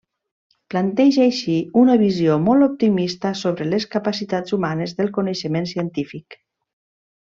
Planteja així una visió molt optimista sobre les capacitats humanes del coneixement científic.